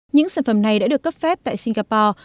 những sản phẩm này đã được cấp phép tại singapore